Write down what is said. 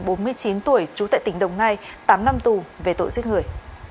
bốn mươi chín tuổi trú tại tỉnh đồng nai tám năm tù về tội giết người